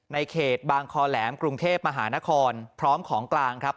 ในเขตบางคอแหลมกรุงเทพมหานครพร้อมของกลางครับ